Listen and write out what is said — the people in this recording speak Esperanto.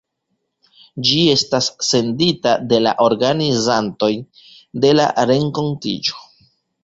Ĝi estas sendita de la organizantoj de la renkontiĝo.